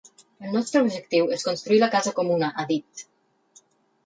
El nostre objectiu és construir la casa comuna, ha dit.